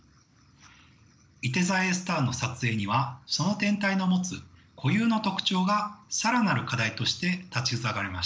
いて座Ａスターの撮影にはその天体の持つ固有の特徴が更なる課題として立ち塞がりました。